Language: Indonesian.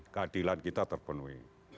keadilan kita terpenuhi